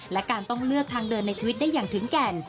และการต้องเลือกทางเดินในชีวิตได้อย่างถึงแก่น